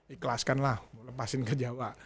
ikhlaskan lah lepasin ke jawa